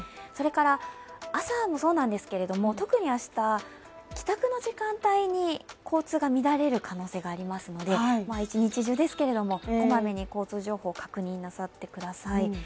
それから、朝もそうなんですけれども特に明日、帰宅の時間帯に交通が乱れる可能性がありますので一日中ですけれども、こまめに交通情報を確認なさってください。